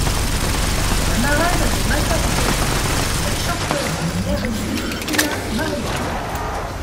La marraine de Maya Rudolph est la chanteuse de R&B Teena Marie.